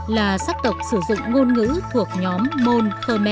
là sắc tộc sử dụng ngôn ngữ thuộc nhóm môn khơ me